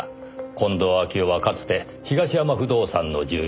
近藤秋夫はかつて東山不動産の重役。